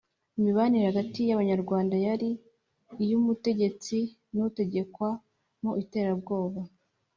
imibanire hagati y'abanyarwanda yari iy' umutegetsi n' utegekwa mu iterabwoba,